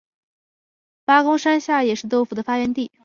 八公山下也是豆腐的发源地。